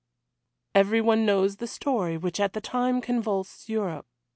Every one knows the story which at the time convulsed Europe.